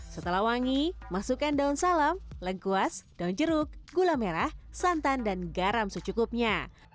setelah wangi masukkan daun salam lengkuas daun jeruk gula merah santan dan garam secukupnya